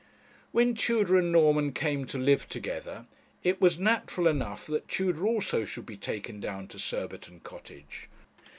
When Tudor and Norman came to live together, it was natural enough that Tudor also should be taken down to Surbiton Cottage.